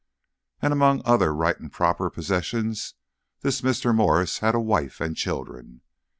And among other right and proper possessions, this Mr. Morris had a wife and children.